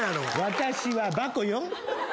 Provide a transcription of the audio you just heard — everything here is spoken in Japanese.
私はバコよ。